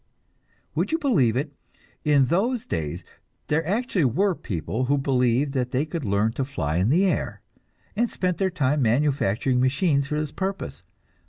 Would you believe it, in those days there actually were people who believed they could learn to fly in the air, and spent their time manufacturing machines for this purpose!